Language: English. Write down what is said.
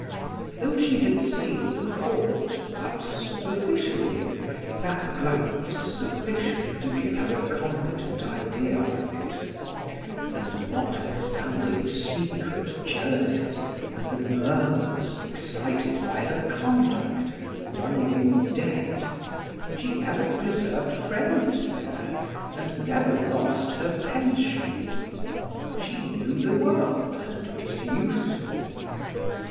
Though she had seen the court but superficially, that glance was sufficient to give her a competent idea of it; and notwithstanding secret jealousies and the murmurs excited by her conduct and running in debt, she ever preserved friends there, and never lost her pension. She knew the world, and was useful.